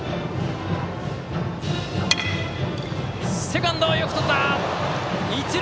セカンド、よくとった！